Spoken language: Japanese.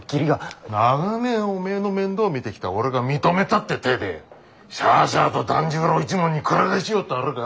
長年おめえの面倒を見てきた俺が認めたって体でしゃあしゃあと團十郎一門に鞍替えしようって腹か？